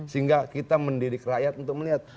sehingga kita mendidik rakyat untuk melihat